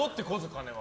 金は。